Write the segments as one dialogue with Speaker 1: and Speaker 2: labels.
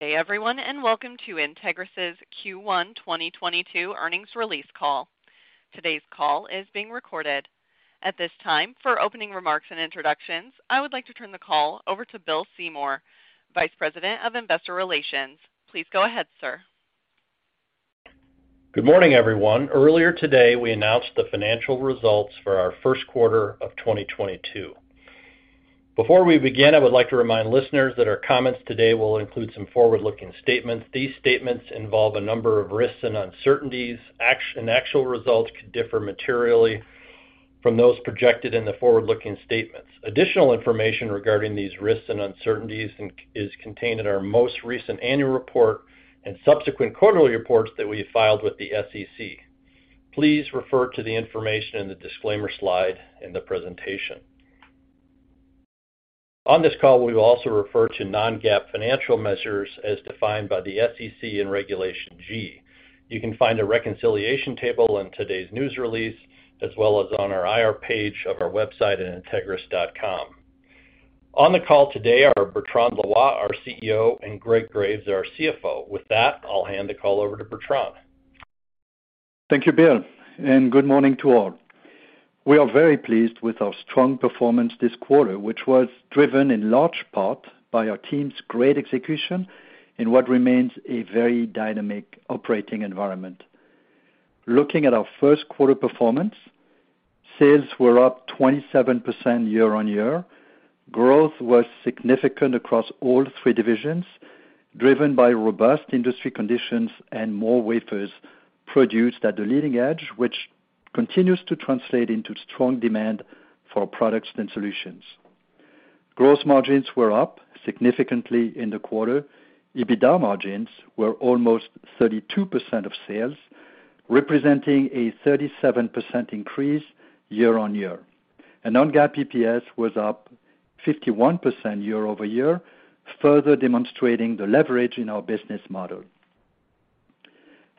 Speaker 1: Good day everyone, and welcome to Entegris' Q1 2022 earnings release call. Today's call is being recorded. At this time, for opening remarks and introductions, I would like to turn the call over to Bill Seymour, Vice President of Investor Relations. Please go ahead, sir.
Speaker 2: Good morning, everyone. Earlier today, we announced the financial results for our first quarter of 2022. Before we begin, I would like to remind listeners that our comments today will include some forward-looking statements. These statements involve a number of risks and uncertainties, and actual results could differ materially from those projected in the forward-looking statements. Additional information regarding these risks and uncertainties is contained in our most recent annual report and subsequent quarterly reports that we have filed with the SEC. Please refer to the information in the disclaimer slide in the presentation. On this call, we will also refer to non-GAAP financial measures as defined by the SEC in Regulation G. You can find a reconciliation table in today's news release, as well as on our IR page of our website at entegris.com. On the call today are Bertrand Loy, our CEO, and Greg Graves, our CFO. With that, I'll hand the call over to Bertrand.
Speaker 3: Thank you, Bill, and good morning to all. We are very pleased with our strong performance this quarter, which was driven in large part by our team's great execution in what remains a very dynamic operating environment. Looking at our first quarter performance, sales were up 27% year-over-year. Growth was significant across all three divisions, driven by robust industry conditions and more wafers produced at the leading edge, which continues to translate into strong demand for our products and solutions. Gross margins were up significantly in the quarter. EBITDA margins were almost 32% of sales, representing a 37% increase year-over-year. Non-GAAP EPS was up 51% year-over-year, further demonstrating the leverage in our business model.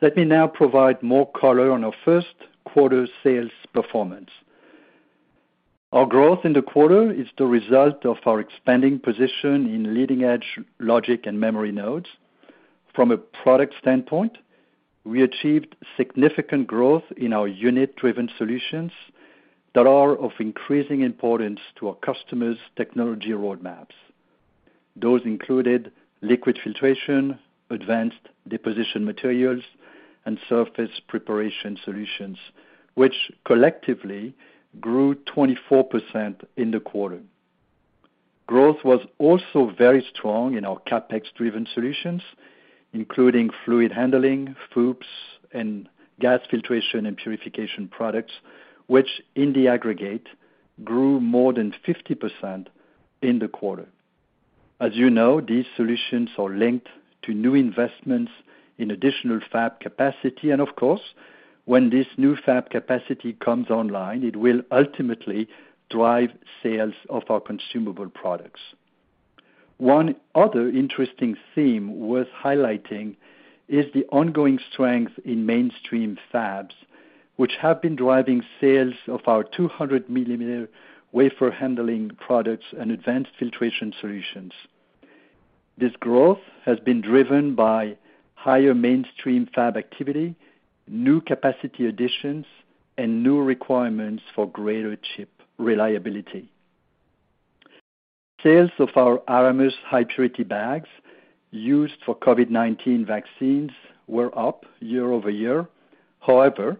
Speaker 3: Let me now provide more color on our first quarter sales performance. Our growth in the quarter is the result of our expanding position in leading-edge logic and memory nodes. From a product standpoint, we achieved significant growth in our unit-driven solutions that are of increasing importance to our customers' technology roadmaps. Those included liquid filtration, advanced deposition materials, and surface preparation solutions, which collectively grew 24% in the quarter. Growth was also very strong in our CapEx-driven solutions, including fluid handling, FOUPs, and gas filtration and purification products, which in the aggregate grew more than 50% in the quarter. As you know, these solutions are linked to new investments in additional fab capacity, and of course, when this new fab capacity comes online, it will ultimately drive sales of our consumable products. One other interesting theme worth highlighting is the ongoing strength in mainstream fabs, which have been driving sales of our 200 millimeter wafer handling products and advanced filtration solutions. This growth has been driven by higher mainstream fab activity, new capacity additions, and new requirements for greater chip reliability. Sales of our Aramus high-purity bags used for COVID-19 vaccines were up year-over-year. However,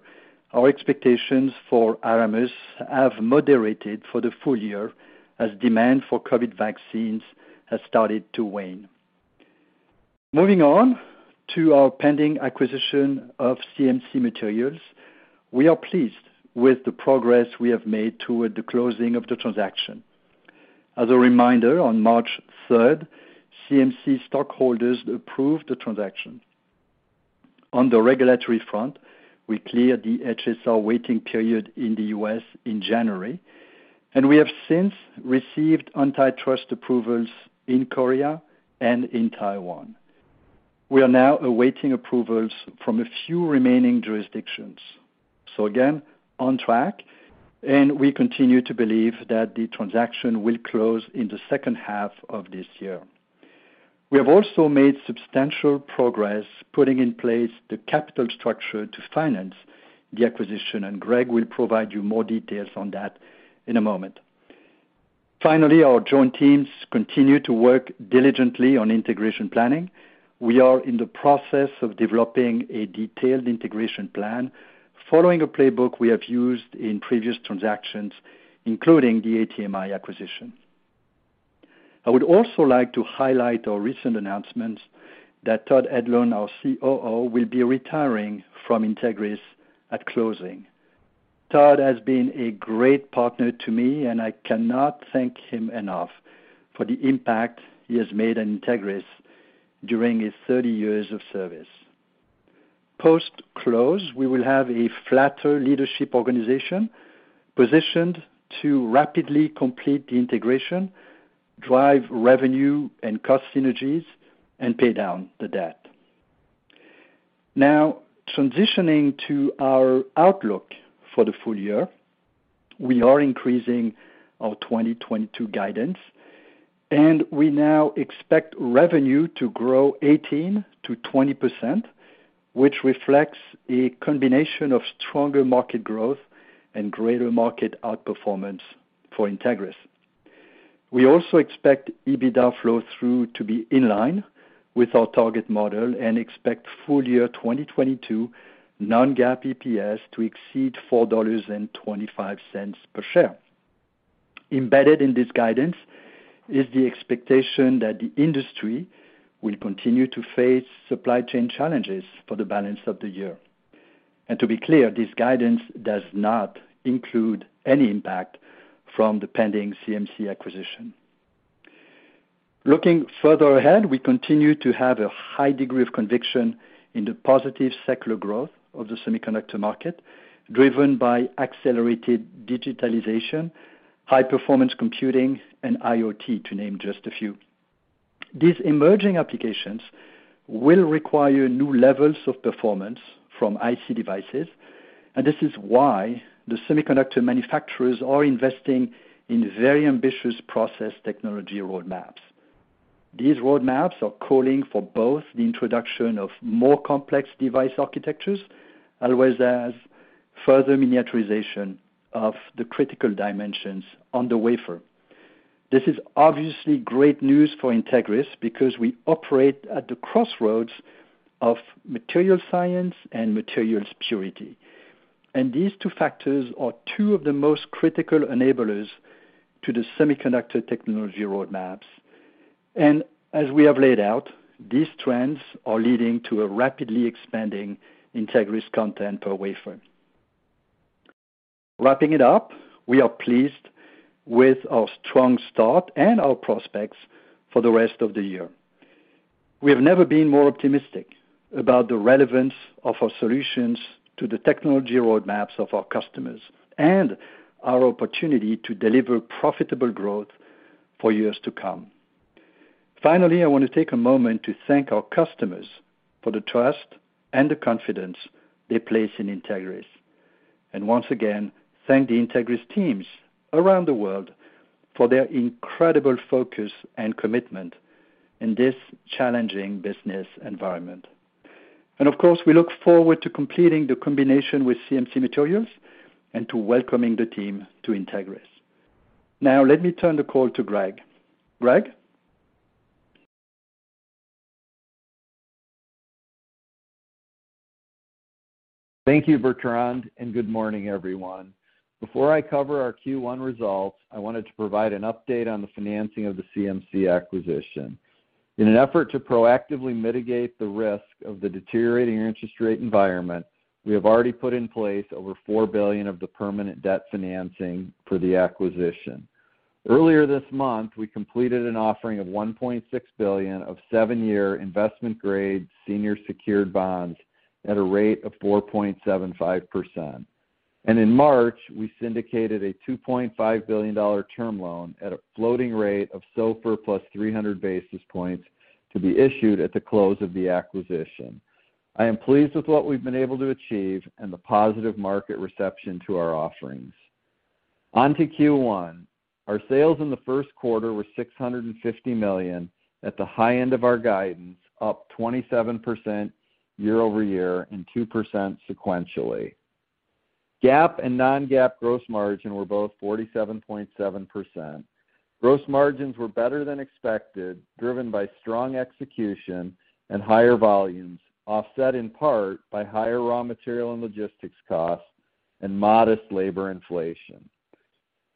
Speaker 3: our expectations for Aramus have moderated for the full year as demand for COVID vaccines has started to wane. Moving on to our pending acquisition of CMC Materials, we are pleased with the progress we have made toward the closing of the transaction. As a reminder, on March 3, CMC stockholders approved the transaction. On the regulatory front, we cleared the HSR waiting period in the U.S. in January, and we have since received antitrust approvals in Korea and in Taiwan. We are now awaiting approvals from a few remaining jurisdictions. Again, on track, and we continue to believe that the transaction will close in the second half of this year. We have also made substantial progress putting in place the capital structure to finance the acquisition, and Greg will provide you more details on that in a moment. Finally, our joint teams continue to work diligently on integration planning. We are in the process of developing a detailed integration plan following a playbook we have used in previous transactions, including the ATMI acquisition. I would also like to highlight our recent announcement that Todd Edlund, our COO, will be retiring from Entegris at closing. Todd has been a great partner to me, and I cannot thank him enough for the impact he has made on Entegris during his 30 years of service. Post-close, we will have a flatter leadership organization positioned to rapidly complete the integration, drive revenue and cost synergies, and pay down the debt. Now transitioning to our outlook for the full year. We are increasing our 2022 guidance, and we now expect revenue to grow 18%-20%, which reflects a combination of stronger market growth and greater market outperformance for Entegris. We also expect EBITDA flow-through to be in line with our target model and expect full-year 2022 non-GAAP EPS to exceed $4.25 per share. Embedded in this guidance is the expectation that the industry will continue to face supply chain challenges for the balance of the year. To be clear, this guidance does not include any impact from the pending CMC acquisition. Looking further ahead, we continue to have a high degree of conviction in the positive secular growth of the semiconductor market, driven by accelerated digitalization, high-performance computing, and IoT, to name just a few. These emerging applications will require new levels of performance from IC devices, and this is why the semiconductor manufacturers are investing in very ambitious process technology road maps. These road maps are calling for both the introduction of more complex device architectures, as well as further miniaturization of the critical dimensions on the wafer. This is obviously great news for Entegris because we operate at the crossroads of material science and materials purity, and these two factors are two of the most critical enablers to the semiconductor technology road maps. As we have laid out, these trends are leading to a rapidly expanding Entegris content per wafer. Wrapping it up, we are pleased with our strong start and our prospects for the rest of the year. We have never been more optimistic about the relevance of our solutions to the technology road maps of our customers and our opportunity to deliver profitable growth for years to come. Finally, I want to take a moment to thank our customers for the trust and the confidence they place in Entegris. Once again, I want to thank the Entegris teams around the world for their incredible focus and commitment in this challenging business environment. Of course, we look forward to completing the combination with CMC Materials and to welcoming the team to Entegris. Now let me turn the call to Greg. Greg?
Speaker 4: Thank you, Bertrand, and good morning, everyone. Before I cover our Q1 results, I wanted to provide an update on the financing of the CMC acquisition. In an effort to proactively mitigate the risk of the deteriorating interest rate environment, we have already put in place over $4 billion of the permanent debt financing for the acquisition. Earlier this month, we completed an offering of $1.6 billion of seven-year investment-grade senior secured bonds at a rate of 4.75%. In March, we syndicated a $2.5 billion term loan at a floating rate of SOFR plus 300 basis points to be issued at the close of the acquisition. I am pleased with what we've been able to achieve and the positive market reception to our offerings. On to Q1. Our sales in the first quarter were $650 million at the high end of our guidance, up 27% year-over-year and 2% sequentially. GAAP and non-GAAP gross margin were both 47.7%. Gross margins were better than expected, driven by strong execution and higher volumes, offset in part by higher raw material and logistics costs and modest labor inflation.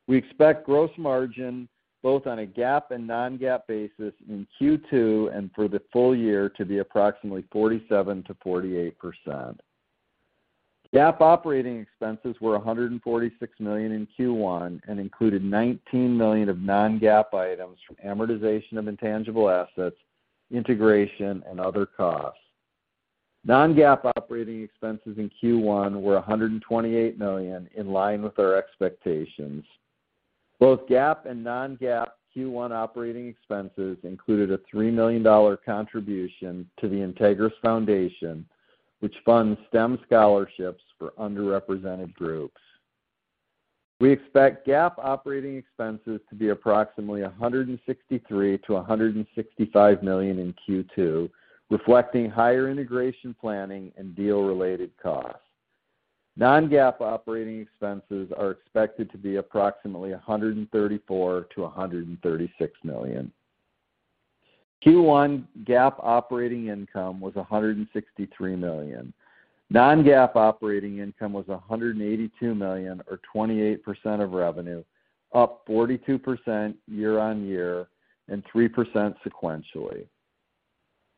Speaker 4: We expect gross margin both on a GAAP and non-GAAP basis in Q2 and for the full year to be approximately 47%-48%. GAAP operating expenses were $146 million in Q1 and included $19 million of non-GAAP items from amortization of intangible assets, integration, and other costs. Non-GAAP operating expenses in Q1 were $128 million, in line with our expectations. Both GAAP and non-GAAP Q1 operating expenses included a $3 million contribution to the Entegris Foundation, which funds STEM scholarships for underrepresented groups. We expect GAAP operating expenses to be approximately $163 million-$165 million in Q2, reflecting higher integration planning and deal-related costs. Non-GAAP operating expenses are expected to be approximately $134 million-$136 million. Q1 GAAP operating income was $163 million. Non-GAAP operating income was $182 million or 28% of revenue, up 42% year on year and 3% sequentially.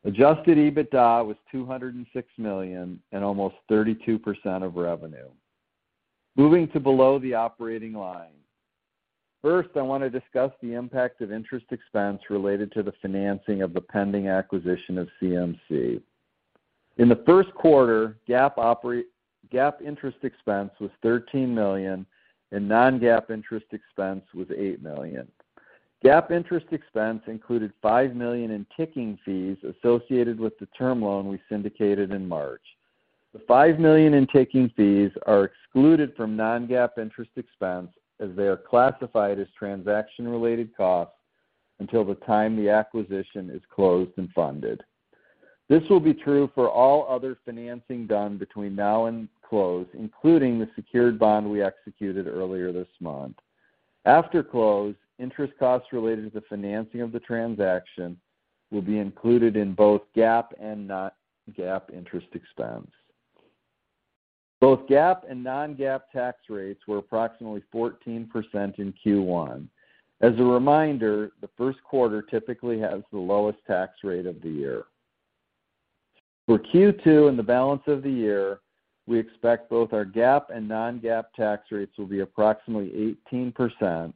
Speaker 4: Adjusted EBITDA was $206 million and almost 32% of revenue. Moving to below the operating line. First, I want to discuss the impact of interest expense related to the financing of the pending acquisition of CMC. In the first quarter, GAAP interest expense was $13 million and non-GAAP interest expense was $8 million. GAAP interest expense included $5 million in ticking fees associated with the term loan we syndicated in March. The $5 million in ticking fees are excluded from non-GAAP interest expense as they are classified as transaction-related costs until the time the acquisition is closed and funded. This will be true for all other financing done between now and close, including the secured bond we executed earlier this month. After close, interest costs related to the financing of the transaction will be included in both GAAP and non-GAAP interest expense. Both GAAP and non-GAAP tax rates were approximately 14% in Q1. As a reminder, the first quarter typically has the lowest tax rate of the year. For Q2 and the balance of the year, we expect both our GAAP and non-GAAP tax rates will be approximately 18%,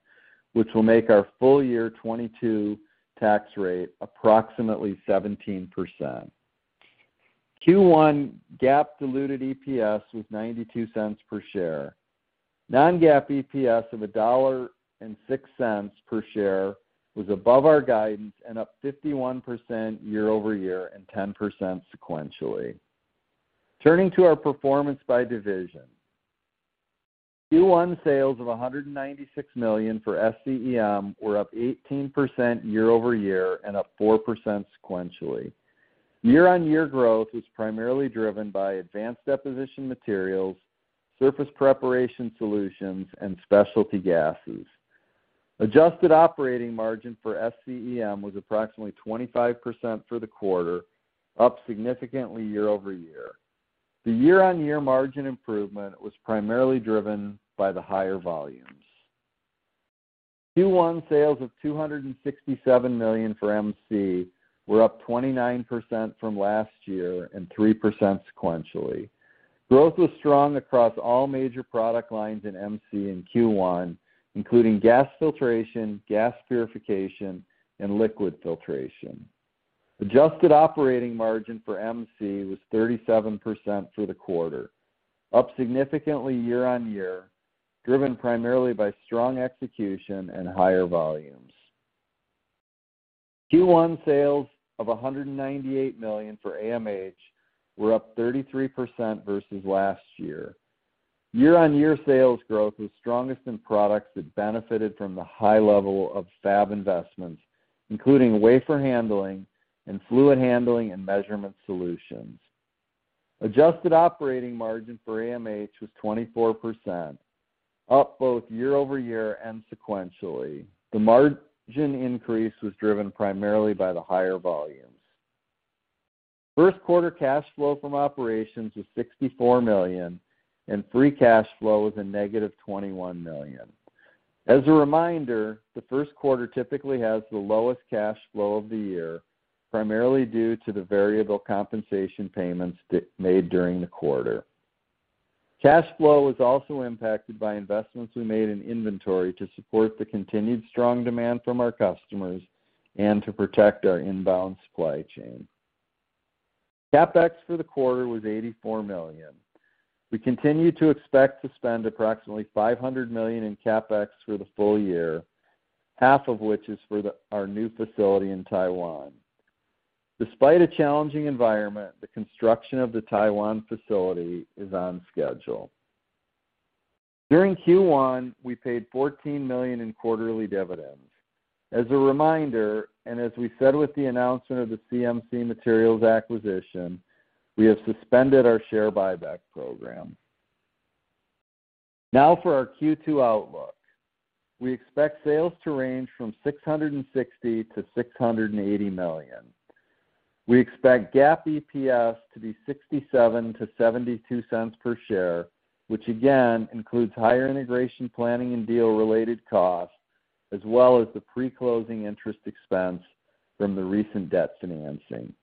Speaker 4: which will make our full-year 2022 tax rate approximately 17%. Q1 GAAP diluted EPS was $0.92 per share. Non-GAAP EPS of $1.06 per share was above our guidance and up 51% year-over-year and 10% sequentially. Turning to our performance by division. Q1 sales of $196 million for SCEM were up 18% year-over-year and up 4% sequentially. Year-over-year growth was primarily driven by advanced deposition materials, surface preparation solutions, and specialty gases. Adjusted operating margin for SCEM was approximately 25% for the quarter, up significantly year-over-year. The year-over-year margin improvement was primarily driven by the higher volumes. Q1 sales of $267 million for MC were up 29% from last year and 3% sequentially. Growth was strong across all major product lines in MC in Q1, including gas filtration, gas purification, and liquid filtration. Adjusted operating margin for MC was 37% for the quarter, up significantly year-over-year, driven primarily by strong execution and higher volumes. Q1 sales of $198 million for AMH were up 33% versus last year. Year-over-year sales growth was strongest in products that benefited from the high level of fab investments, including wafer handling and fluid handling and measurement solutions. Adjusted operating margin for AMH was 24%, up both year-over-year and sequentially. The margin increase was driven primarily by the higher volumes. First quarter cash flow from operations was $64 million, and free cash flow was -$21 million. As a reminder, the first quarter typically has the lowest cash flow of the year, primarily due to the variable compensation payments made during the quarter. Cash flow was also impacted by investments we made in inventory to support the continued strong demand from our customers and to protect our inbound supply chain. CapEx for the quarter was $84 million. We continue to expect to spend approximately $500 million in CapEx for the full year, half of which is for our new facility in Taiwan. Despite a challenging environment, the construction of the Taiwan facility is on schedule. During Q1, we paid $14 million in quarterly dividends. As a reminder, and as we said with the announcement of the CMC Materials acquisition, we have suspended our share buyback program. Now for our Q2 outlook. We expect sales to range from $660 million-$680 million. We expect GAAP EPS to be $0.67-$0.72 per share, which again includes higher integration planning and deal related costs, as well as the pre-closing interest expense from the recent debt financing.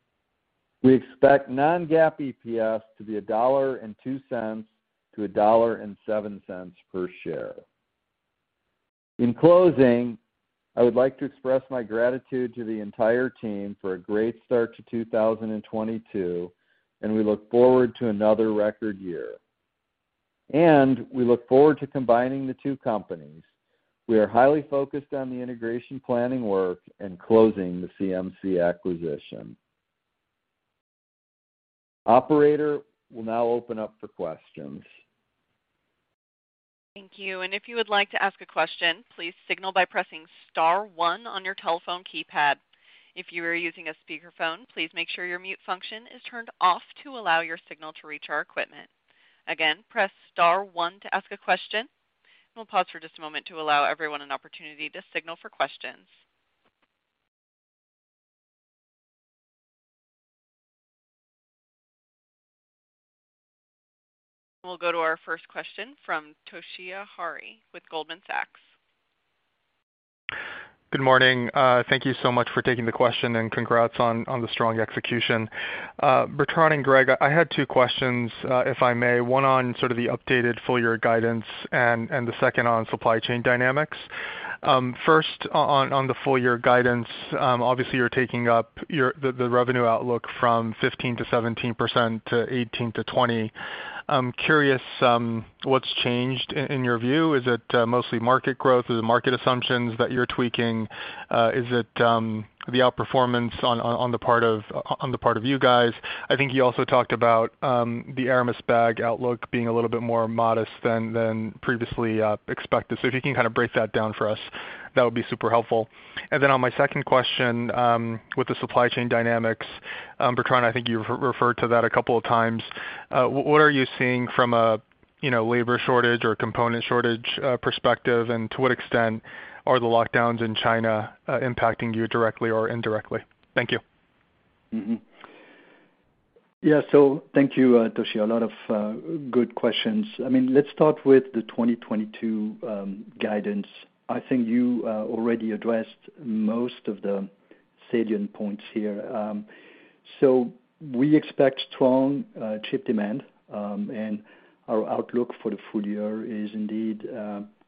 Speaker 4: We expect non-GAAP EPS to be $1.02-$1.07 per share. In closing, I would like to express my gratitude to the entire team for a great start to 2022, and we look forward to another record year. We look forward to combining the two companies. We are highly focused on the integration planning work and closing the CMC acquisition. Operator, we'll now open up for questions.
Speaker 1: Thank you. If you would like to ask a question, please signal by pressing star one on your telephone keypad. If you are using a speakerphone, please make sure your mute function is turned off to allow your signal to reach our equipment. Again, press star one to ask a question. We'll pause for just a moment to allow everyone an opportunity to signal for questions. We'll go to our first question from Toshiya Hari with Goldman Sachs.
Speaker 5: Good morning. Thank you so much for taking the question and congrats on the strong execution. Bertrand and Greg, I had two questions, if I may. One on sort of the updated full year guidance and the second on supply chain dynamics. First on the full year guidance, obviously you're taking up your revenue outlook from 15%-17% to 18%-20%. I'm curious, what's changed in your view. Is it mostly market growth? Is it market assumptions that you're tweaking? Is it the outperformance on the part of you guys? I think you also talked about the Aramus bag outlook being a little bit more modest than previously expected. So if you can kind of break that down for us, that would be super helpful. On my second question, with the supply chain dynamics, Bertrand, I think you've referred to that a couple of times. What are you seeing from a you know, labor shortage or component shortage perspective? To what extent are the lockdowns in China impacting you directly or indirectly? Thank you.
Speaker 3: Thank you, Toshi. A lot of good questions. I mean, let's start with the 2022 guidance. I think you already addressed most of the salient points here. We expect strong chip demand, and our outlook for the full year is indeed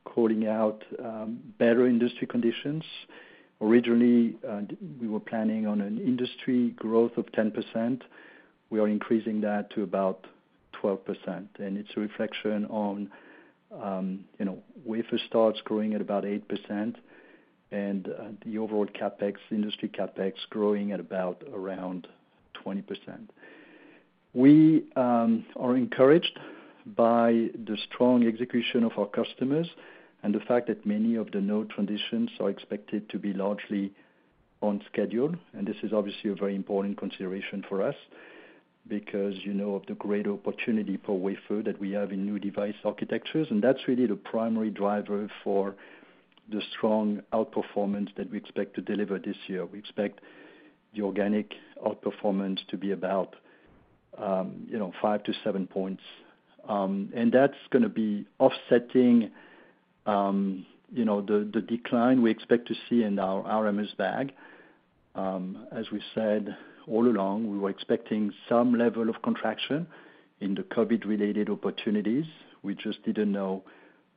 Speaker 3: calling out better industry conditions. Originally, we were planning on an industry growth of 10%. We are increasing that to about 12%, and it's a reflection on, you know, wafer starts growing at about 8% and the overall CapEx, industry CapEx growing at about around 20%. We are encouraged by the strong execution of our customers and the fact that many of the node transitions are expected to be largely on schedule. This is obviously a very important consideration for us because, you know, of the great opportunity for wafer that we have in new device architectures. That's really the primary driver for the strong outperformance that we expect to deliver this year. We expect the organic outperformance to be about 5%-7%. That's gonna be offsetting the decline we expect to see in our Aramus bag. As we said all along, we were expecting some level of contraction in the COVID-related opportunities. We just didn't know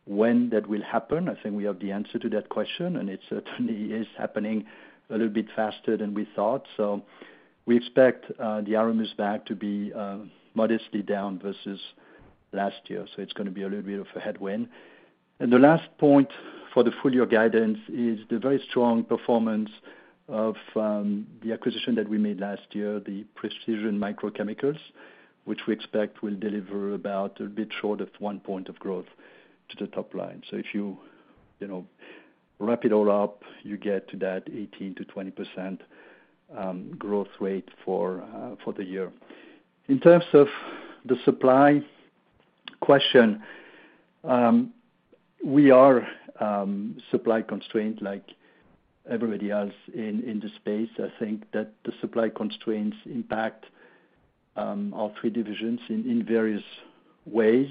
Speaker 3: when that will happen. I think we have the answer to that question, and it certainly is happening a little bit faster than we thought. We expect the Aramus bag to be modestly down versus last year. It's gonna be a little bit of a headwind. The last point for the full year guidance is the very strong performance of the acquisition that we made last year, the Precision Microchemicals, which we expect will deliver about a bit short of 1% growth to the top line. If you know, wrap it all up, you get to that 18%-20% growth rate for the year. In terms of the supply question, we are supply constrained like everybody else in the space. I think that the supply constraints impact our three divisions in various ways.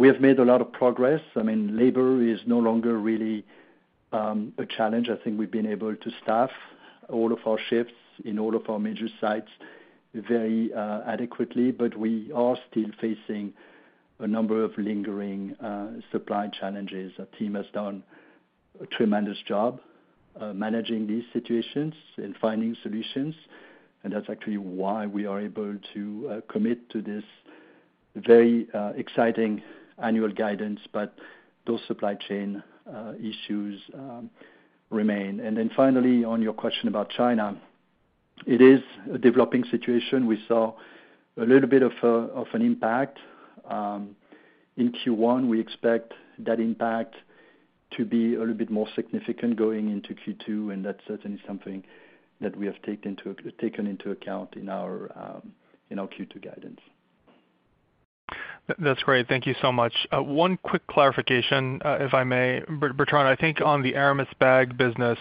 Speaker 3: We have made a lot of progress. I mean, labor is no longer really a challenge. I think we've been able to staff all of our shifts in all of our major sites very adequately. We are still facing a number of lingering supply challenges. Our team has done a tremendous job managing these situations and finding solutions, and that's actually why we are able to commit to this very exciting annual guidance. Those supply chain issues remain. Then finally, on your question about China, it is a developing situation. We saw a little bit of an impact in Q1. We expect that impact to be a little bit more significant going into Q2, and that's certainly something that we have taken into account in our Q2 guidance.
Speaker 5: That's great. Thank you so much. One quick clarification, if I may. Bertrand, I think on the Aramus bag business,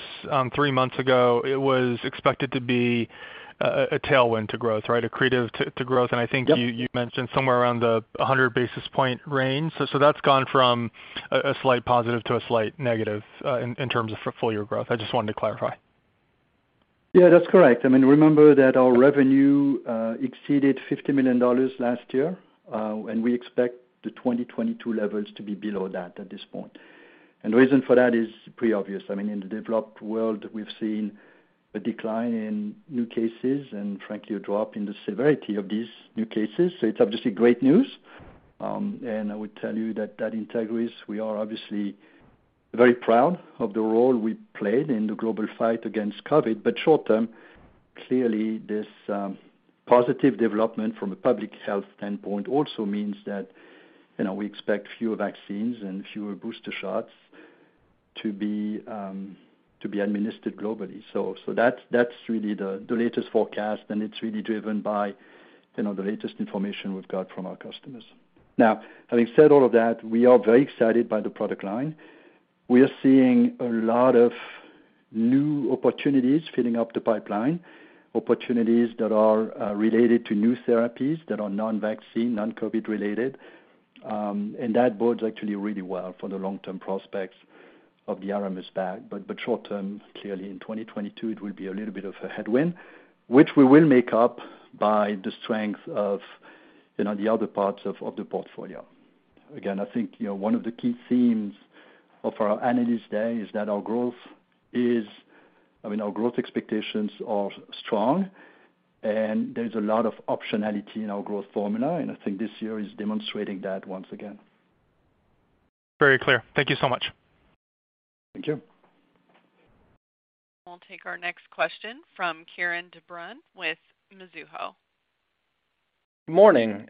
Speaker 5: three months ago, it was expected to be a tailwind to growth, right? Accretive to growth.
Speaker 3: Yep.
Speaker 5: I think you mentioned somewhere around a 100 basis point range. That's gone from a slight positive to a slight negative, in terms of full year growth. I just wanted to clarify.
Speaker 3: Yeah, that's correct. I mean, remember that our revenue exceeded $50 million last year, and we expect the 2022 levels to be below that at this point. The reason for that is pretty obvious. I mean, in the developed world, we've seen a decline in new cases and frankly, a drop in the severity of these new cases. It's obviously great news. I would tell you that at Entegris, we are obviously very proud of the role we played in the global fight against COVID. Short term, clearly this positive development from a public health standpoint also means that, you know, we expect fewer vaccines and fewer booster shots to be administered globally. So that's really the latest forecast. It's really driven by, you know, the latest information we've got from our customers. Now, having said all of that, we are very excited by the product line. We are seeing a lot of new opportunities filling up the pipeline, opportunities that are related to new therapies that are non-vaccine, non-COVID related. And that bodes actually really well for the long-term prospects of the Aramus bag. But short term, clearly in 2022, it will be a little bit of a headwind, which we will make up by the strength of, you know, the other parts of the portfolio. Again, I think, you know, one of the key themes of our analyst day is that I mean, our growth expectations are strong, and there's a lot of optionality in our growth formula, and I think this year is demonstrating that once again.
Speaker 5: Very clear. Thank you so much.
Speaker 3: Thank you.
Speaker 1: We'll take our next question from Kieran de Brun with Mizuho.
Speaker 6: Morning.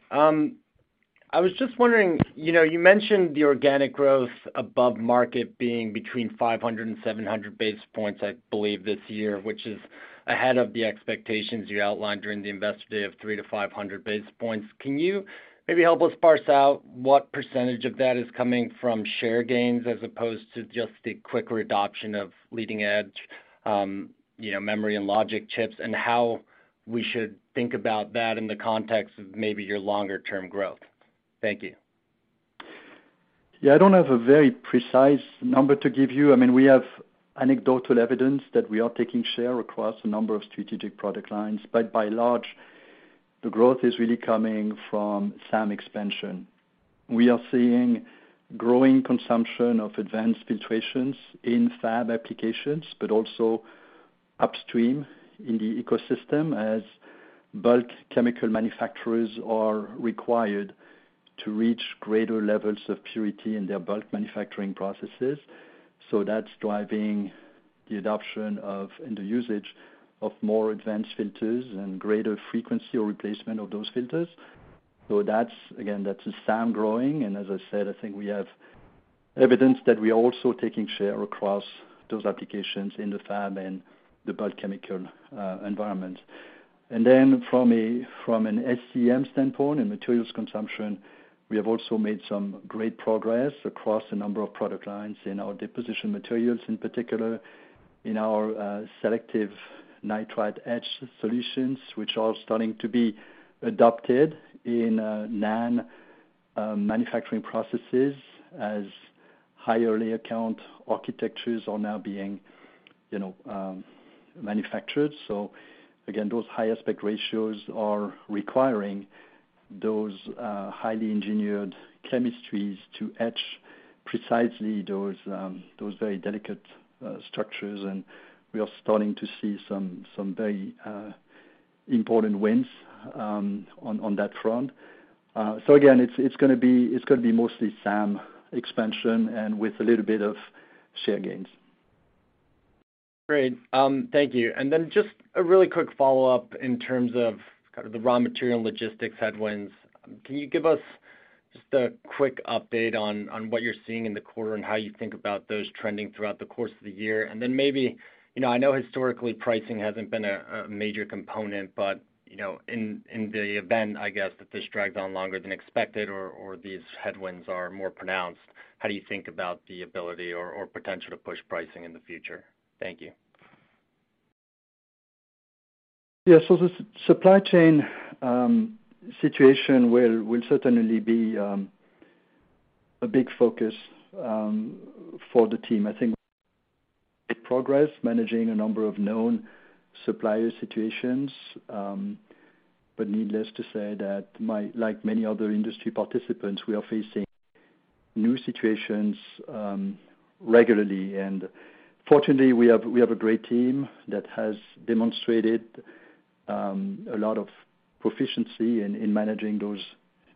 Speaker 6: I was just wondering, you know, you mentioned the organic growth above market being between 500 and 700 basis points, I believe, this year, which is ahead of the expectations you outlined during the investor day of 300-500 basis points. Can you maybe help us parse out what percentage of that is coming from share gains as opposed to just the quicker adoption of leading-edge, you know, memory and logic chips, and how we should think about that in the context of maybe your longer-term growth? Thank you.
Speaker 3: Yeah, I don't have a very precise number to give you. I mean, we have anecdotal evidence that we are taking share across a number of strategic product lines, but by and large, the growth is really coming from SAM expansion. We are seeing growing consumption of advanced filtrations in fab applications, but also upstream in the ecosystem as bulk chemical manufacturers are required to reach greater levels of purity in their bulk manufacturing processes. So that's driving the adoption of, and the usage of more advanced filters and greater frequency or replacement of those filters. So that's, again, the SAM growing. As I said, I think we have evidence that we are also taking share across those applications in the fab and the bulk chemical environment. From an SCEM standpoint, in materials consumption, we have also made some great progress across a number of product lines in our deposition materials, in particular in our selective nitride etch solutions, which are starting to be adopted in NAND manufacturing processes as higher layer count architectures are now being you know manufactured. Again, those high aspect ratios are requiring those highly engineered chemistries to etch precisely those very delicate structures. We are starting to see some very important wins on that front. Again, it's gonna be mostly SAM expansion and with a little bit of share gains.
Speaker 6: Great. Thank you. Just a really quick follow-up in terms of kind of the raw material and logistics headwinds. Can you give us just a quick update on what you're seeing in the quarter and how you think about those trending throughout the course of the year? Maybe, you know, I know historically pricing hasn't been a major component, but, you know, in the event, I guess, that this drags on longer than expected or these headwinds are more pronounced, how do you think about the ability or potential to push pricing in the future? Thank you.
Speaker 3: The supply chain situation will certainly be a big focus for the team. I think progress managing a number of known supplier situations. Needless to say, like many other industry participants, we are facing new situations regularly. Fortunately, we have a great team that has demonstrated a lot of proficiency in managing those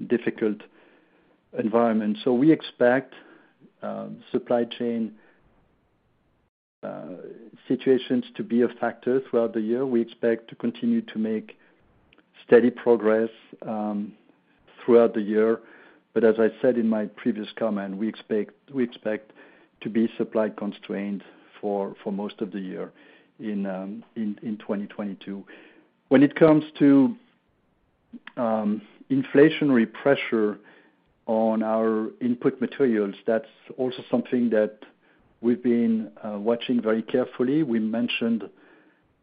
Speaker 3: difficult environments. We expect supply chain situations to be a factor throughout the year. We expect to continue to make steady progress throughout the year. As I said in my previous comment, we expect to be supply constrained for most of the year in 2022. When it comes to inflationary pressure on our input materials, that's also something that we've been watching very carefully. We mentioned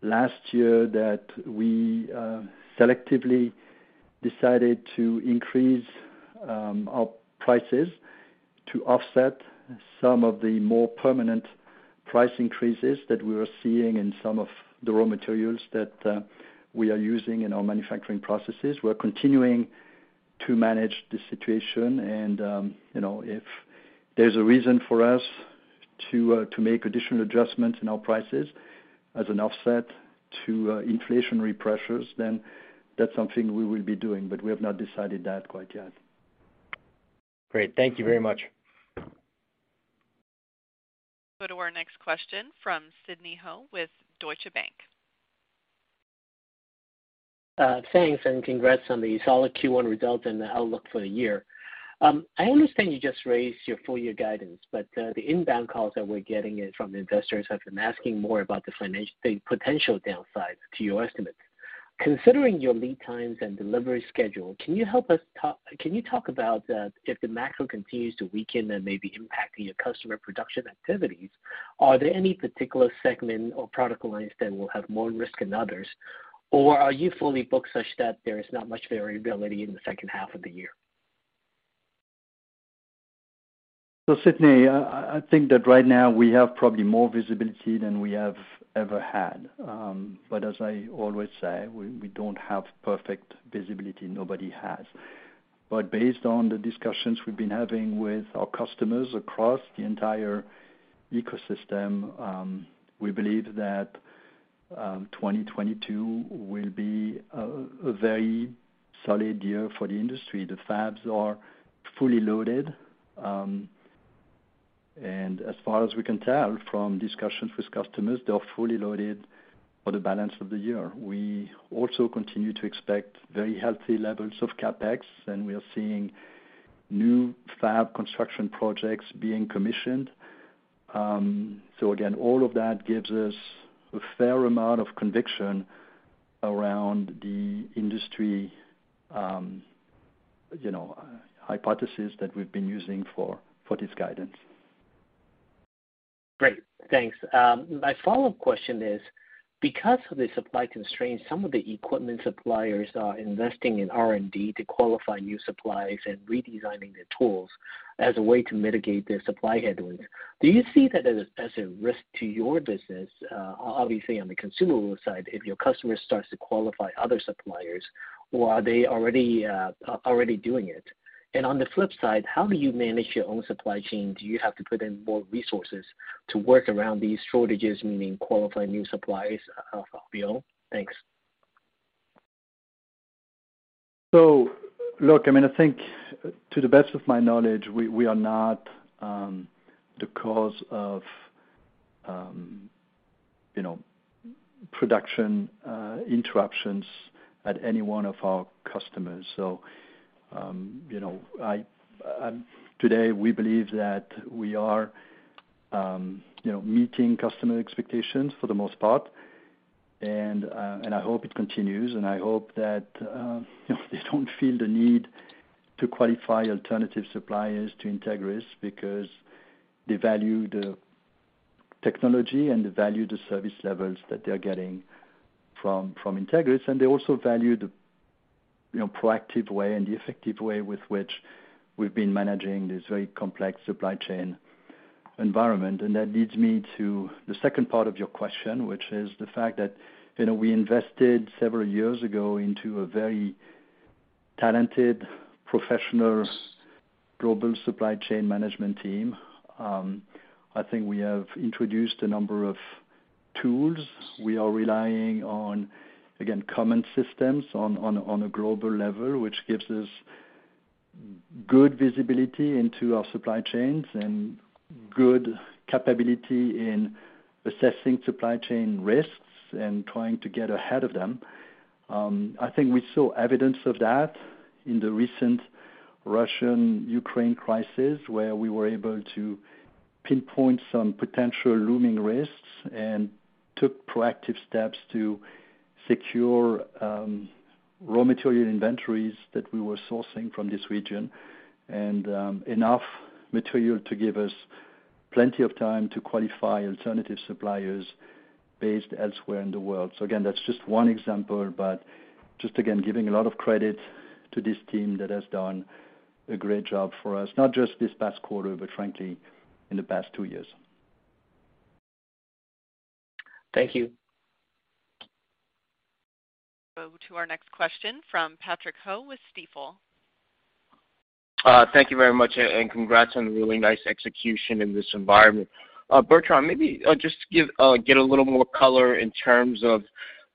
Speaker 3: last year that we selectively decided to increase our prices to offset some of the more permanent price increases that we were seeing in some of the raw materials that we are using in our manufacturing processes. We're continuing to manage the situation and you know, if there's a reason for us to make additional adjustments in our prices as an offset to inflationary pressures, then that's something we will be doing. We have not decided that quite yet.
Speaker 6: Great. Thank you very much.
Speaker 1: Go to our next question from Sidney Ho with Deutsche Bank.
Speaker 7: Thanks, and congrats on the solid Q1 results and the outlook for the year. I understand you just raised your full year guidance, but the inbound calls that we're getting from investors have been asking more about the potential downsides to your estimates. Considering your lead times and delivery schedule, can you talk about if the macro continues to weaken and may be impacting your customer production activities, are there any particular segment or product lines that will have more risk than others, or are you fully booked such that there is not much variability in the second half of the year?
Speaker 3: Sidney, I think that right now we have probably more visibility than we have ever had. As I always say, we don't have perfect visibility. Nobody has. Based on the discussions we've been having with our customers across the entire ecosystem, we believe that 2022 will be a very solid year for the industry. The fabs are fully loaded. As far as we can tell from discussions with customers, they are fully loaded for the balance of the year. We also continue to expect very healthy levels of CapEx, and we are seeing new fab construction projects being commissioned. Again, all of that gives us a fair amount of conviction around the industry, you know, hypothesis that we've been using for this guidance.
Speaker 7: Great. Thanks. My follow-up question is, because of the supply constraints, some of the equipment suppliers are investing in R&D to qualify new supplies and redesigning their tools as a way to mitigate their supply headwinds. Do you see that as a risk to your business, obviously on the consumable side, if your customer starts to qualify other suppliers or are they already doing it? On the flip side, how do you manage your own supply chain? Do you have to put in more resources to work around these shortages, meaning qualifying new supplies of your own? Thanks.
Speaker 3: Look, I mean, I think to the best of my knowledge, we are not the cause of, you know, production interruptions at any one of our customers. You know, today we believe that we are, you know, meeting customer expectations for the most part, and I hope it continues, and I hope that they don't feel the need to qualify alternative suppliers to Entegris because they value the technology and they value the service levels that they're getting from Entegris. They also value the, you know, proactive way and the effective way with which we've been managing this very complex supply chain environment. That leads me to the second part of your question, which is the fact that, you know, we invested several years ago into a very talented professionals global supply chain management team. I think we have introduced a number of tools. We are relying on, again, common systems on a global level, which gives us good visibility into our supply chains and good capability in assessing supply chain risks and trying to get ahead of them. I think we saw evidence of that in the recent Russia-Ukraine crisis, where we were able to pinpoint some potential looming risks and took proactive steps to secure raw material inventories that we were sourcing from this region and enough material to give us plenty of time to qualify alternative suppliers based elsewhere in the world. Again, that's just one example, but just again, giving a lot of credit to this team that has done a great job for us, not just this past quarter, but frankly, in the past two years.
Speaker 7: Thank you.
Speaker 1: Go to our next question from Patrick Ho with Stifel.
Speaker 8: Thank you very much, and congrats on the really nice execution in this environment. Bertrand, maybe just get a little more color in terms of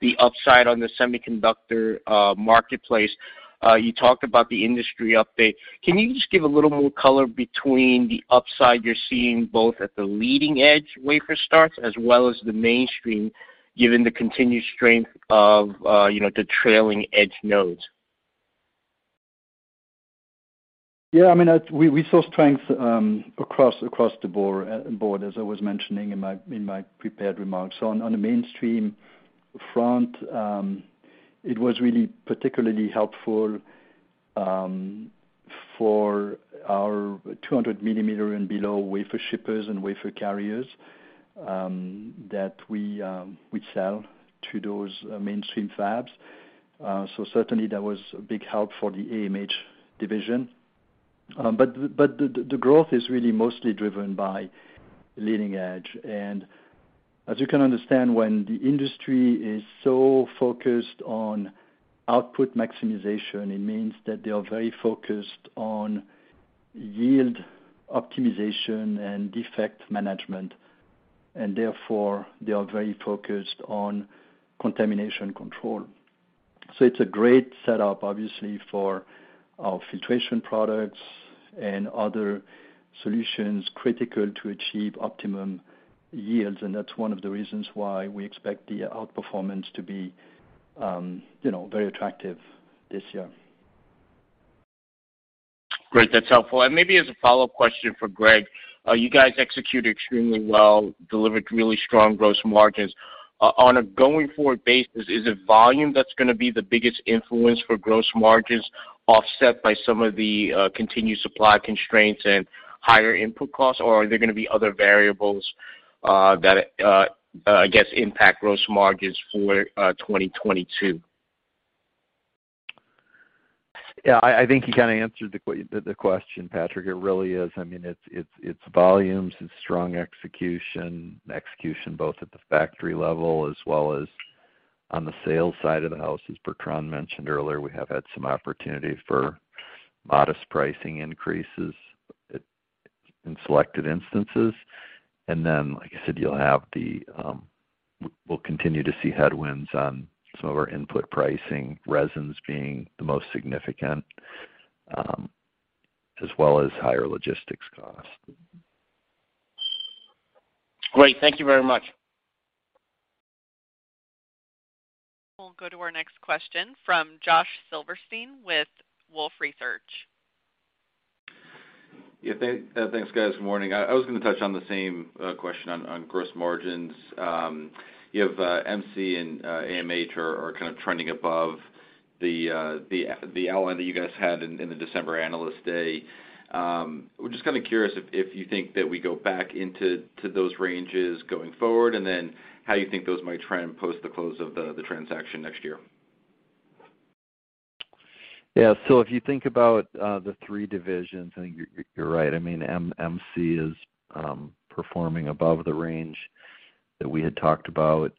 Speaker 8: the upside on the semiconductor marketplace. You talked about the industry update. Can you just give a little more color between the upside you're seeing both at the leading edge wafer starts as well as the mainstream, given the continued strength of, you know, the trailing edge nodes?
Speaker 3: Yeah. I mean, we saw strength across the board, as I was mentioning in my prepared remarks. On a mainstream front, it was really particularly helpful for our 200 millimeter and below wafer shippers and wafer carriers that we sell to those mainstream fabs. Certainly that was a big help for the AMH division. But the growth is really mostly driven by leading edge. As you can understand, when the industry is so focused on output maximization, it means that they are very focused on yield optimization and defect management, and therefore they are very focused on contamination control. It's a great setup, obviously, for our filtration products and other solutions critical to achieve optimum yields. That's one of the reasons why we expect the outperformance to be, you know, very attractive this year.
Speaker 8: Great. That's helpful. Maybe as a follow-up question for Greg, you guys executed extremely well, delivered really strong gross margins. On a going forward basis, is it volume that's gonna be the biggest influence for gross margins offset by some of the continued supply constraints and higher input costs, or are there gonna be other variables that I guess impact gross margins for 2022?
Speaker 4: Yeah, I think you kind of answered the question, Patrick. It really is. I mean, it's volumes, it's strong execution both at the factory level as well as on the sales side of the house, as Bertrand mentioned earlier, we have had some opportunity for modest pricing increases in selected instances. Then, like I said, we'll continue to see headwinds on some of our input pricing, resins being the most significant, as well as higher logistics costs.
Speaker 8: Great. Thank you very much.
Speaker 1: We'll go to our next question from Josh Silverstein with Wolfe Research.
Speaker 9: Thanks, guys. Morning. I was gonna touch on the same question on gross margins. You have MC and AMH kind of trending above the outline that you guys had in the December Analyst Day. We're just kind of curious if you think that we go back into those ranges going forward, and then how you think those might trend post the close of the transaction next year.
Speaker 4: If you think about the three divisions, I think you're right. I mean, MC is performing above the range that we had talked about.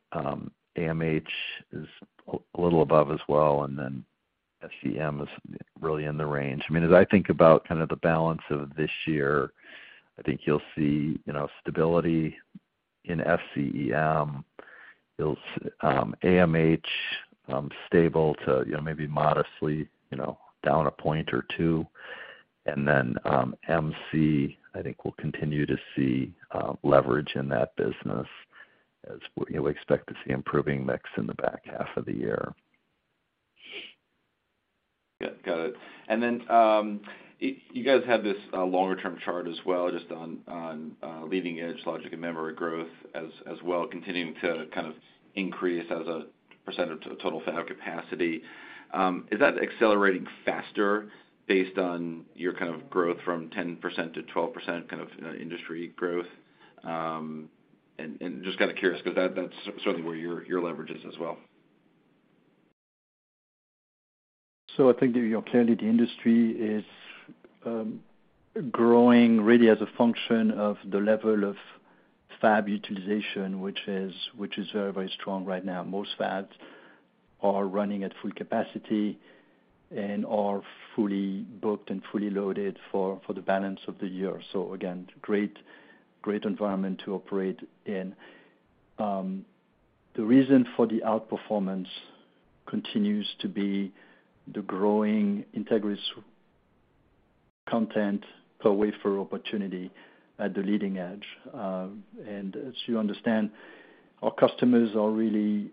Speaker 4: AMH is a little above as well, and then SCEM is really in the range. I mean, as I think about kind of the balance of this year, I think you'll see, you know, stability in SCEM. AMH stable to, you know, maybe modestly, you know, down a point or two. MC, I think we'll continue to see leverage in that business as we, you know, expect to see improving mix in the back half of the year.
Speaker 9: Yeah, got it. You guys had this longer term chart as well just on leading edge logic and memory growth as well, continuing to kind of increase as a percentage to the total fab capacity. Is that accelerating faster based on your kind of growth from 10%-12% kind of industry growth? Just kind of curious because that's certainly where your leverage is as well.
Speaker 3: I think that, you know, clearly the industry is growing really as a function of the level of fab utilization, which is very strong right now. Most fabs are running at full capacity and are fully booked and fully loaded for the balance of the year. Again, great environment to operate in. The reason for the outperformance continues to be the growing Entegris content per wafer opportunity at the leading edge. As you understand, our customers are really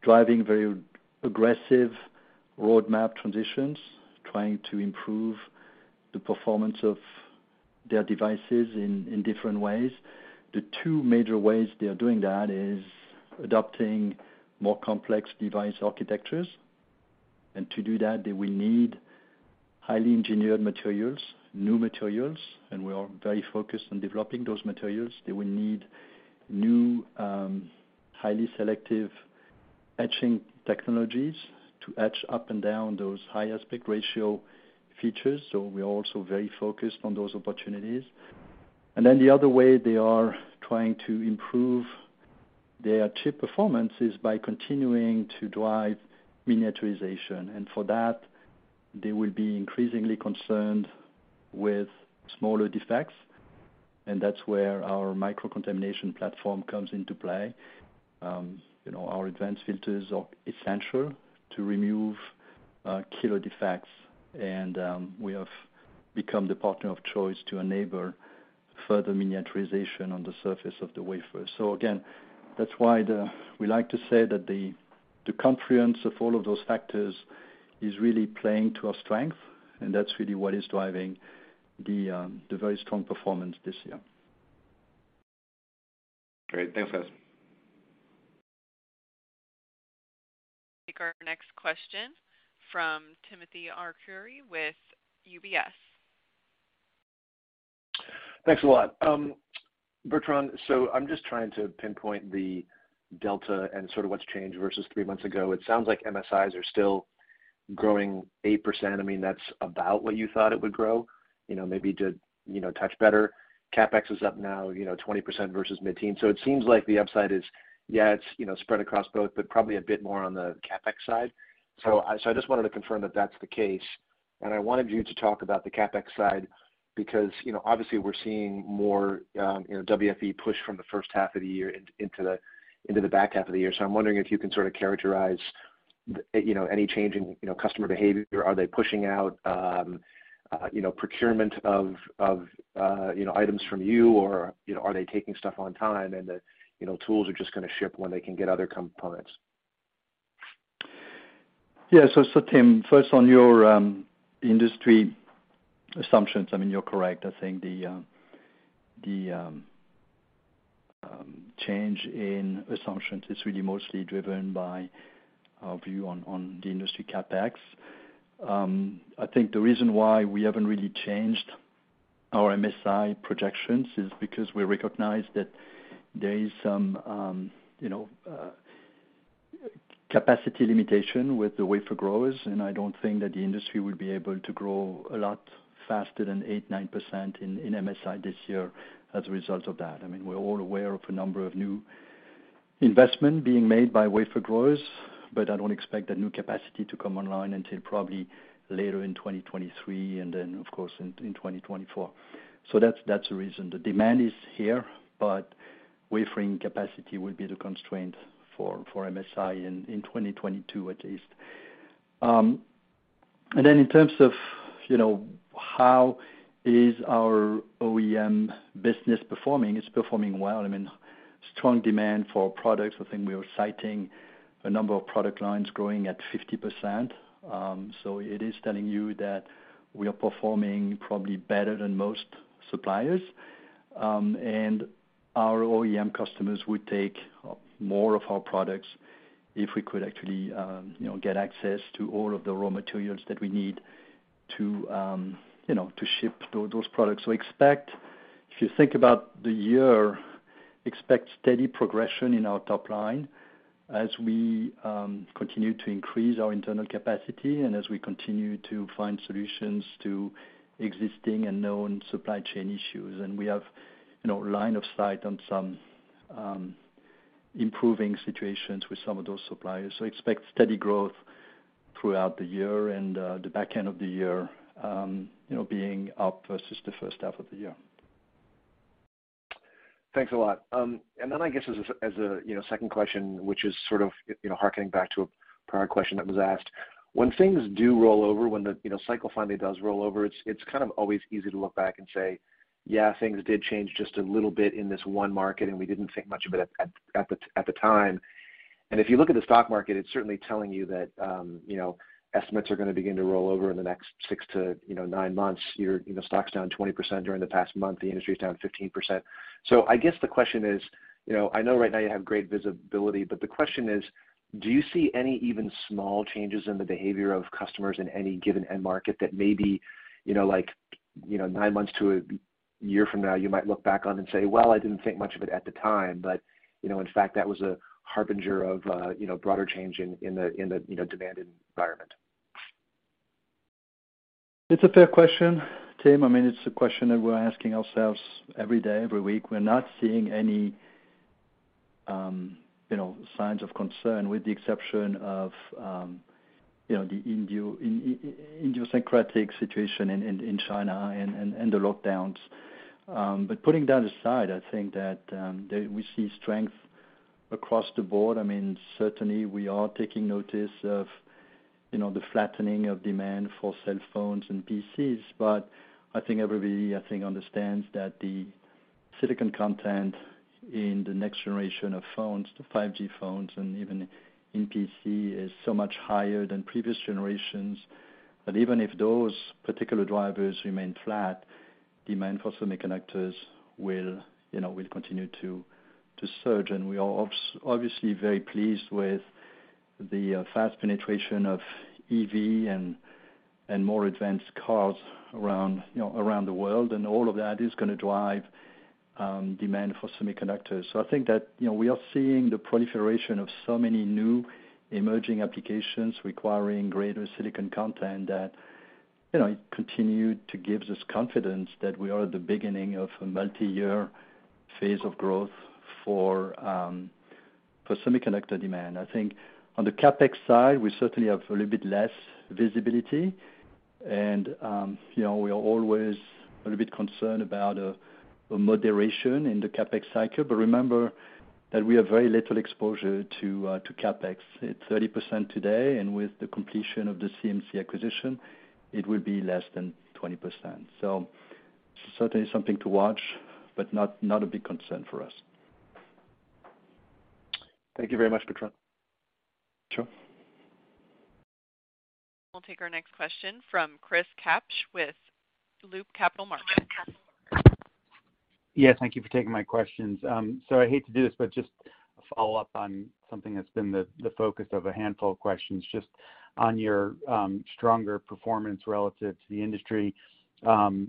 Speaker 3: driving very aggressive roadmap transitions, trying to improve the performance of their devices in different ways. The two major ways they are doing that is adopting more complex device architectures. To do that, they will need highly engineered materials, new materials, and we are very focused on developing those materials. They will need new, highly selective etching technologies to etch up and down those high aspect ratio features. We're also very focused on those opportunities. The other way they are trying to improve their chip performance is by continuing to drive miniaturization. For that, they will be increasingly concerned with smaller defects, and that's where our micro contamination platform comes into play. You know, our advanced filters are essential to remove killer defects. We have become the partner of choice to enable further miniaturization on the surface of the wafer. Again, that's why we like to say that the confluence of all of those factors is really playing to our strength, and that's really what is driving the very strong performance this year.
Speaker 9: Great. Thanks, guys.
Speaker 1: Take our next question from Timothy Arcuri with UBS.
Speaker 10: Thanks a lot. Bertrand, I'm just trying to pinpoint the delta and sort of what's changed versus three months ago. It sounds like MSIs are still growing 8%. I mean, that's about what you thought it would grow, you know, maybe to, you know, touch better. CapEx is up now, you know, 20% versus mid-teens. It seems like the upside is, yeah, it's, you know, spread across both, but probably a bit more on the CapEx side. I just wanted to confirm that that's the case, and I wanted you to talk about the CapEx side because, you know, obviously we're seeing more, you know, WFE push from the first half of the year into the back half of the year. I'm wondering if you can sort of characterize, you know, any change in, you know, customer behavior. Are they pushing out, you know, procurement of you know, items from you or, you know, are they taking stuff on time and the, you know, tools are just gonna ship when they can get other components?
Speaker 3: Yeah. Tim, first on your industry assumptions, I mean, you're correct. I think the change in assumptions is really mostly driven by our view on the industry CapEx. I think the reason why we haven't really changed our MSI projections is because we recognize that there is some you know capacity limitation with the wafer growers, and I don't think that the industry will be able to grow a lot faster than 8%-9% in MSI this year as a result of that. I mean, we're all aware of a number of new investments being made by wafer growers, but I don't expect that new capacity to come online until probably later in 2023 and then of course in 2024. That's the reason. The demand is here, but wafering capacity will be the constraint for MSI in 2022 at least. In terms of, you know, how is our OEM business performing, it's performing well. I mean, strong demand for our products. I think we are citing a number of product lines growing at 50%. It is telling you that we are performing probably better than most suppliers. Our OEM customers would take more of our products if we could actually, you know, get access to all of the raw materials that we need to, you know, to ship those products. Expect if you think about the year, expect steady progression in our top line as we continue to increase our internal capacity and as we continue to find solutions to existing and known supply chain issues. We have, you know, line of sight on some improving situations with some of those suppliers. Expect steady growth throughout the year and the back end of the year, you know, being up versus the first half of the year.
Speaker 10: Thanks a lot. I guess as a you know second question, which is sort of you know harkening back to a prior question that was asked. When things do roll over, when the you know cycle finally does roll over, it's kind of always easy to look back and say, "Yeah, things did change just a little bit in this one market, and we didn't think much of it at the time." If you look at the stock market, it's certainly telling you that you know estimates are gonna begin to roll over in the next 6-9 months. Your you know stock's down 20% during the past month. The industry is down 15%. I guess the question is, you know, I know right now you have great visibility, but the question is, do you see any even small changes in the behavior of customers in any given end market that maybe, you know, like, you know, nine months to a year from now, you might look back on and say, "Well, I didn't think much of it at the time, but, you know, in fact, that was a harbinger of, you know, broader change in the demand environment"?
Speaker 3: It's a fair question, Tim. I mean, it's a question that we're asking ourselves every day, every week. We're not seeing any, you know, signs of concern with the exception of, you know, the idiosyncratic situation in China and the lockdowns. Putting that aside, I think that we see strength across the board. I mean, certainly we are taking notice of, you know, the flattening of demand for cell phones and PCs, but I think everybody understands that the silicon content in the next generation of phones, the 5G phones and even in PC, is so much higher than previous generations. That even if those particular drivers remain flat, demand for semiconductors will, you know, continue to surge. We are obviously very pleased with the fast penetration of EV and more advanced cars around, you know, around the world, and all of that is gonna drive demand for semiconductors. I think that, you know, we are seeing the proliferation of so many new emerging applications requiring greater silicon content that, you know, it continue to gives us confidence that we are at the beginning of a multi-year phase of growth for semiconductor demand. I think on the CapEx side, we certainly have a little bit less visibility and, you know, we are always a little bit concerned about a moderation in the CapEx cycle. Remember that we have very little exposure to CapEx. It's 30% today, and with the completion of the CMC acquisition, it will be less than 20%. Certainly something to watch, but not a big concern for us.
Speaker 10: Thank you very much, Bertrand.
Speaker 3: Sure.
Speaker 1: We'll take our next question from Chris Kapsch with Loop Capital Markets.
Speaker 11: Yeah, thank you for taking my questions. So I hate to do this, but just a follow-up on something that's been the focus of a handful of questions, just on your stronger performance relative to the industry. While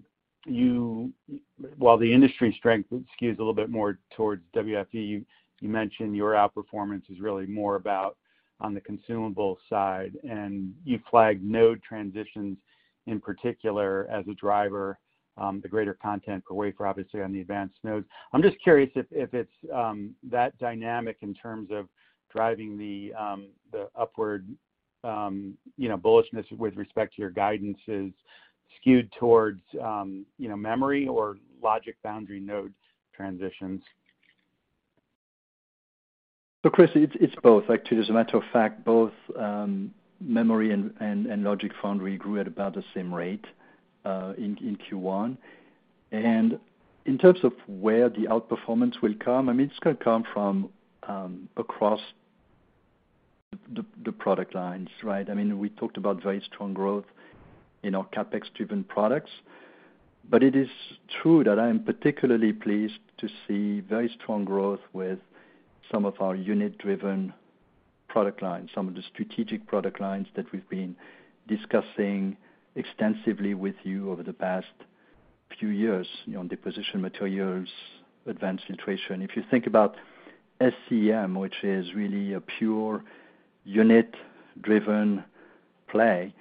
Speaker 11: the industry strength skews a little bit more towards WFE, you mentioned your outperformance is really more about on the consumable side, and you flagged node transitions, in particular as a driver, the greater content for wafer, obviously on the advanced nodes. I'm just curious if it's that dynamic in terms of driving the upward, you know, bullishness with respect to your guidance is skewed towards, you know, memory or logic boundary node transitions.
Speaker 3: Chris, it's both. Actually, as a matter of fact, both memory and logic and foundry grew at about the same rate in Q1. In terms of where the outperformance will come, I mean, it's gonna come from across the product lines, right? I mean, we talked about very strong growth in our CapEx-driven products. It is true that I am particularly pleased to see very strong growth with some of our unit-driven product lines, some of the strategic product lines that we've been discussing extensively with you over the past few years, you know, deposition materials, advanced filtration. If you think about SCEM, which is really a pure unit-driven play,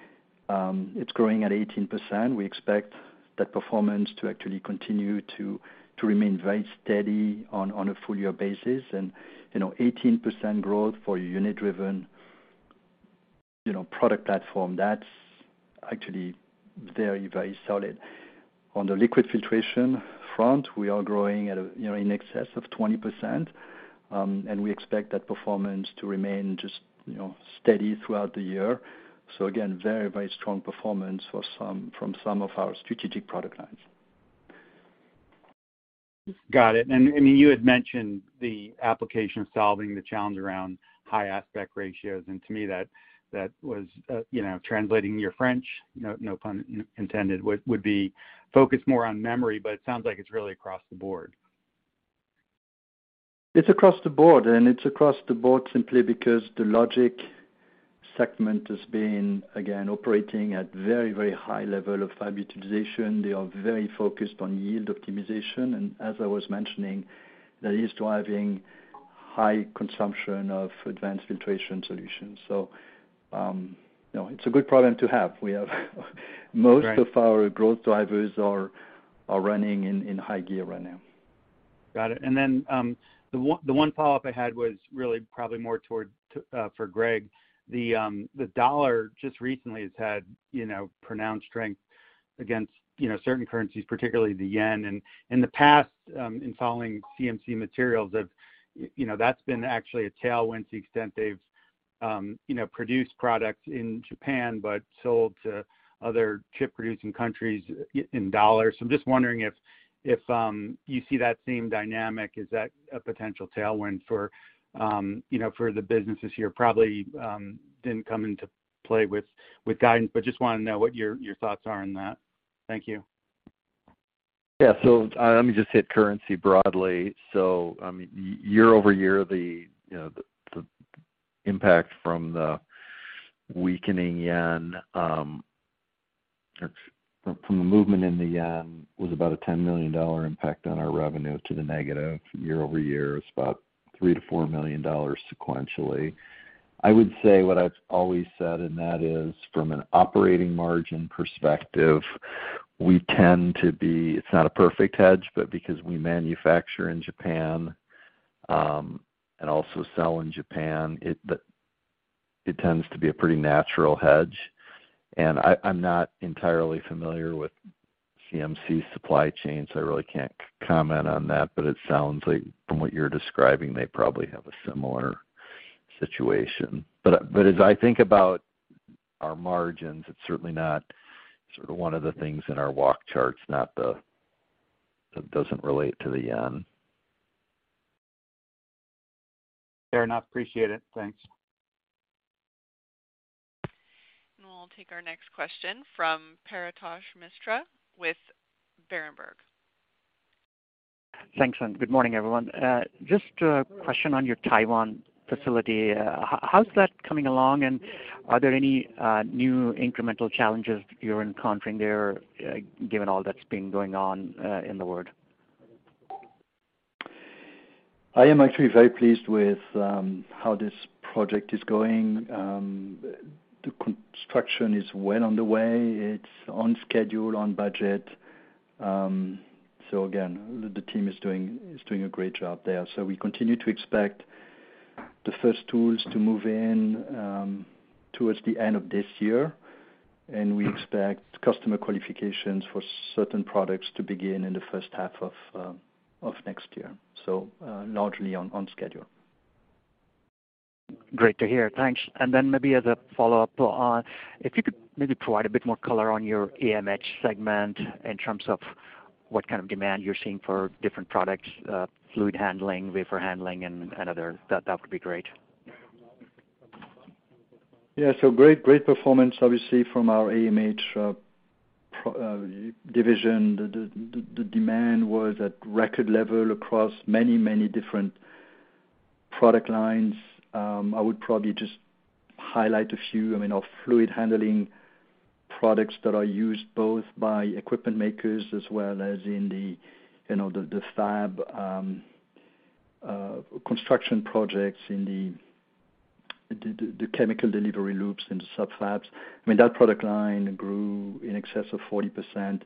Speaker 3: it's growing at 18%. We expect that performance to actually continue to remain very steady on a full year basis. You know, 18% growth for a unit driven, you know, product platform, that's actually very, very solid. On the liquid filtration front, we are growing at a, you know, in excess of 20%, and we expect that performance to remain just, you know, steady throughout the year. Again, very, very strong performance from some of our strategic product lines.
Speaker 11: Got it. I mean, you had mentioned the application solving the challenge around high aspect ratios. To me, that was, you know, translating your French, no pun intended, would be focused more on memory, but it sounds like it's really across the board.
Speaker 3: It's across the board simply because the logic segment has been, again, operating at very, very high level of fab utilization. They are very focused on yield optimization. As I was mentioning, that is driving high consumption of advanced filtration solutions. You know, it's a good problem to have.
Speaker 11: Right.
Speaker 3: of our growth drivers are running in high gear right now.
Speaker 11: Got it. The one follow-up I had was really probably more toward for Greg. The dollar just recently has had, you know, pronounced strength against, you know, certain currencies, particularly the yen. In the past, including CMC Materials have, you know, that's been actually a tailwind to the extent they've, you know, produced products in Japan but sold to other chip producing countries in dollars. I'm just wondering if you see that same dynamic, is that a potential tailwind for, you know, for the business this year? Probably didn't come into play with guidance, but just wanna know what your thoughts are on that. Thank you.
Speaker 4: Let me just hit currency broadly. Year-over-year, the impact from the weakening yen or from the movement in the yen was about a $10 million impact on our revenue to the negative. Is about $3 million-$4 million sequentially. I would say what I've always said, and that is from an operating margin perspective, it's not a perfect hedge, but because we manufacture in Japan and also sell in Japan, it tends to be a pretty natural hedge. I'm not entirely familiar with CMC supply chain, so I really can't comment on that. It sounds like from what you're describing, they probably have a similar situation. As I think about our margins, it's certainly not sort of one of the things in our walk charts. It doesn't relate to the yen.
Speaker 11: Fair enough. Appreciate it. Thanks.
Speaker 1: We'll take our next question from Paretosh Misra with Berenberg.
Speaker 12: Thanks, and good morning, everyone. Just a question on your Taiwan facility. How's that coming along, and are there any new incremental challenges you're encountering there, given all that's been going on in the world?
Speaker 3: I am actually very pleased with how this project is going. The construction is well underway. It's on schedule, on budget. Again, the team is doing a great job there. We continue to expect the first tools to move in towards the end of this year, and we expect customer qualifications for certain products to begin in the first half of next year. Largely on schedule.
Speaker 12: Great to hear. Thanks. Then maybe as a follow-up, if you could maybe provide a bit more color on your AMH segment in terms of what kind of demand you're seeing for different products, fluid handling, wafer handling and other, that would be great.
Speaker 3: Great performance obviously from our AMH product division. The demand was at record level across many different product lines. I would probably just highlight a few. I mean, our fluid handling products that are used both by equipment makers as well as in the, you know, the fab construction projects in the chemical delivery loops in the sub-fabs. I mean, that product line grew in excess of 40%.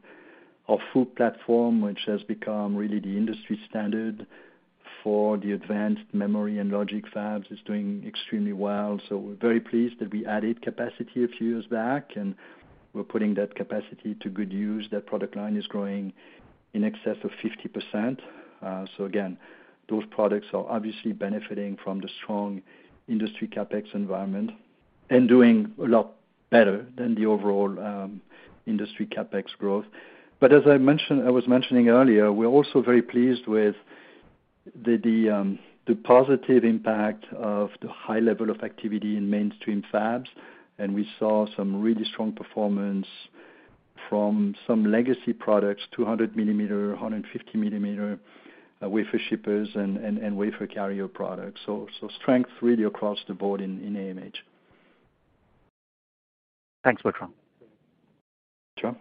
Speaker 3: Our FOUP platform, which has become really the industry standard for the advanced memory and logic fabs, is doing extremely well. We're very pleased that we added capacity a few years back, and we're putting that capacity to good use. That product line is growing in excess of 50%. Again, those products are obviously benefiting from the strong industry CapEx environment and doing a lot better than the overall industry CapEx growth. As I mentioned earlier, we're also very pleased with the positive impact of the high level of activity in mainstream fabs. We saw some really strong performance from some legacy products, 200 millimeter, 150 millimeter wafer shippers and wafer carrier products. Strength really across the board in AMH.
Speaker 12: Thanks, Bertrand.
Speaker 3: Sure.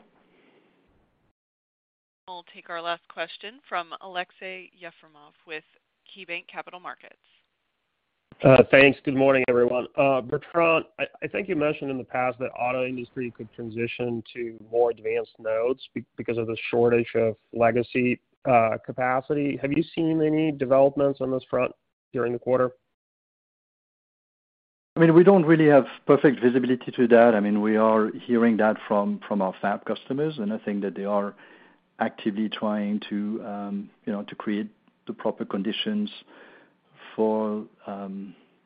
Speaker 1: We'll take our last question from Aleksey Yefremov with KeyBanc Capital Markets.
Speaker 13: Thanks. Good morning, everyone. Bertrand, I think you mentioned in the past that auto industry could transition to more advanced nodes because of the shortage of legacy capacity. Have you seen any developments on this front during the quarter?
Speaker 3: I mean, we don't really have perfect visibility to that. I mean, we are hearing that from our fab customers, and I think that they are actively trying to, you know, to create the proper conditions for,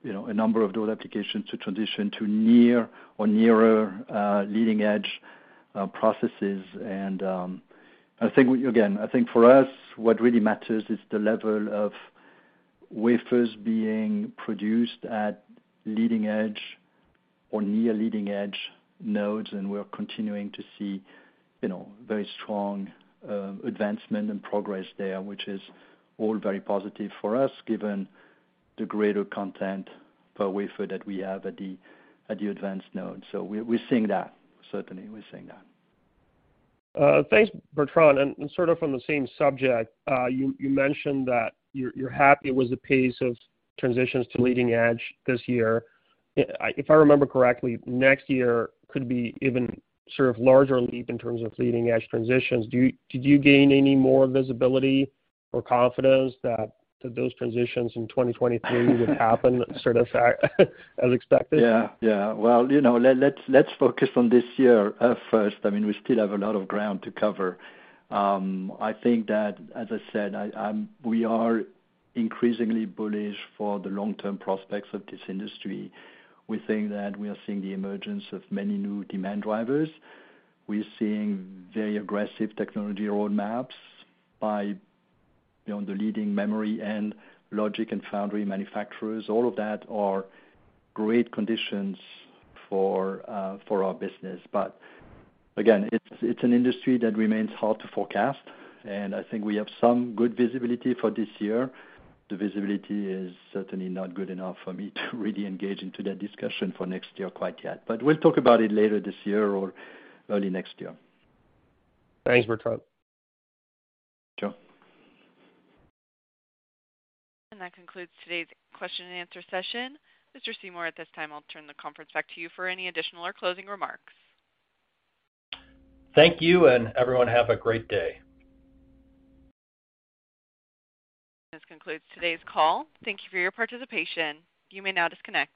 Speaker 3: you know, a number of those applications to transition to near or nearer leading-edge processes. Again, I think for us, what really matters is the level of wafers being produced at leading edge or near leading-edge nodes, and we're continuing to see, you know, very strong advancement and progress there, which is all very positive for us, given the greater content per wafer that we have at the advanced node. We're seeing that. Certainly, we're seeing that.
Speaker 13: Thanks, Bertrand. Sort of on the same subject, you mentioned that you're happy with the pace of transitions to leading edge this year. If I remember correctly, next year could be even sort of larger leap in terms of leading-edge transitions. Do you gain any more visibility or confidence that those transitions in 2023 would happen sort of as expected?
Speaker 3: Yeah. Well, you know, let's focus on this year first. I mean, we still have a lot of ground to cover. I think that, as I said, we are increasingly bullish for the long-term prospects of this industry. We think that we are seeing the emergence of many new demand drivers. We're seeing very aggressive technology roadmaps by, you know, the leading memory and logic and foundry manufacturers. All of that are great conditions for our business. Again, it's an industry that remains hard to forecast, and I think we have some good visibility for this year. The visibility is certainly not good enough for me to really engage into that discussion for next year quite yet. We'll talk about it later this year or early next year.
Speaker 13: Thanks, Bertrand.
Speaker 3: Sure.
Speaker 1: That concludes today's question and answer session. Mr. Seymour, at this time, I'll turn the conference back to you for any additional or closing remarks.
Speaker 2: Thank you, and everyone have a great day.
Speaker 1: This concludes today's call. Thank you for your participation. You may now disconnect.